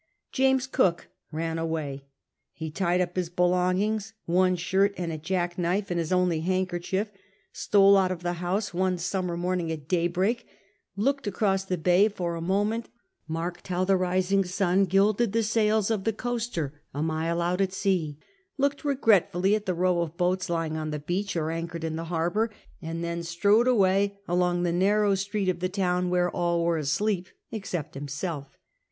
James Cook ran away ; he ti(id up his belongings— one shirt and a jack knife — in his only handkerchief, stole out of the house one summer I THE TESTIMONY OF THE TILL 13 morning at daybreak, looked across the bay for a moment, marked how the rising siin gilded the sails of the coaster a mile out at sea, looked regretfully at the row of boats lying on the beach or anchored in the harbour, and then strode away along the narrow street of the town, whore all were asleep except himself.